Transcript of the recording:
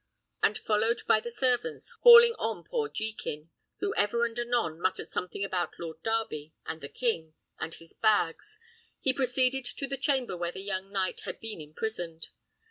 And followed by the servants, hauling on poor Jekin, who ever and anon muttered something about Lord Darby, and the king, and his bags, he proceeded to the chamber where the young knight had been imprisoned.